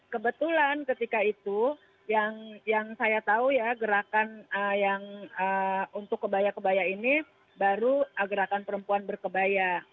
kebetulan ketika itu yang saya tahu ya gerakan yang untuk kebaya kebaya ini baru gerakan perempuan berkebaya